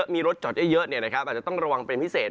มีรถจอดเยอะอาจจะต้องระวังเป็นพิเศษ